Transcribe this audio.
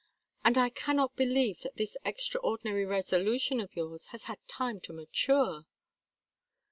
And I cannot believe that this extraordinary resolution of yours has had time to mature.